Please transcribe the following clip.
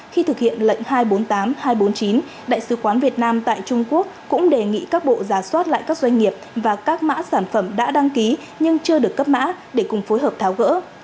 khi thực hiện lệnh hai trăm bốn mươi tám hai trăm bốn mươi chín đại sứ quán việt nam tại trung quốc cũng đề nghị các bộ giả soát lại các doanh nghiệp và các mã sản phẩm đã đăng ký nhưng chưa được cấp mã để cùng phối hợp tháo gỡ